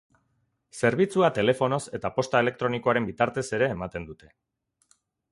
Zerbitzua telefonoz eta posta elektronikoaren bitartez ere ematen dute.